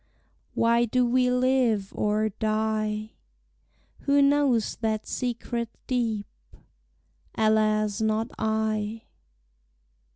Why do we live or die? Who knows that secret deep? Alas not I!